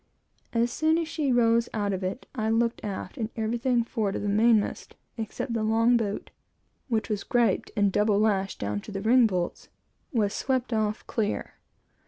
As soon as she rose out of it, I looked aft, and everything forward of the main mast, except the long boat, which was griped and double lashed down to the ring bolts, was swept off clear.